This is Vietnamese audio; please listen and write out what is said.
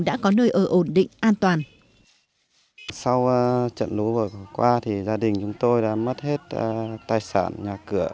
đã có nơi ở ổn định an toàn